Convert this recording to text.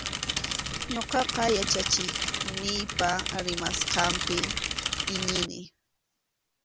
Ñuqaqa yachachiqniypa rimasqanpi iñini.